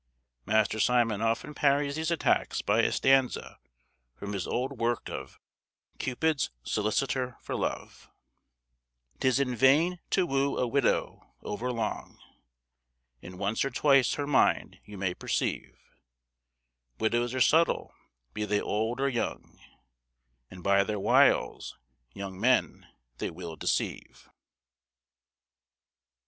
Master Simon often parries these attacks by a stanza from his old work of "Cupid's Solicitor for Love:" "'Tis in vain to woo a widow over long, In once or twice her mind you may perceive; Widows are subtle, be they old or young, And by their wiles young men they will deceive."